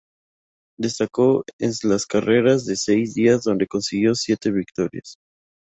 Destacó en las carreras de seis días donde consiguió siete victorias.